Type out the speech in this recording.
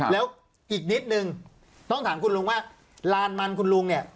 แล้วอีกนิดนึงต้องถามคุณลุงว่าลานมันคุณลุงเนี่ย